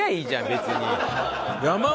別に。